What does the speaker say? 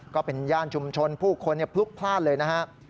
ก็เป็นย่านชุมชนผู้คนพลุกพลาดเลยนะฮะ